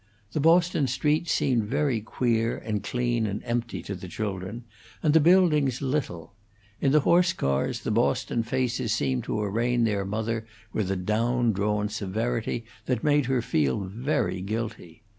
The Boston streets seemed very queer and clean and empty to the children, and the buildings little; in the horse cars the Boston faces seemed to arraign their mother with a down drawn severity that made her feel very guilty.